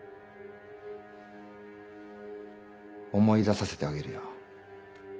思い出させてあげるよ。